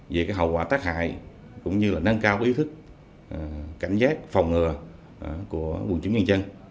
về hậu quả tác hại cũng như nâng cao ý thức cảnh giác phòng ngừa của quân chủ nhân dân